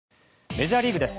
メジャーリーグです。